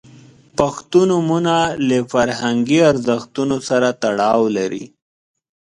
• پښتو نومونه له فرهنګي ارزښتونو سره تړاو لري.